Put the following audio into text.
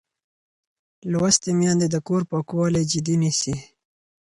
لوستې میندې د کور پاکوالی جدي نیسي.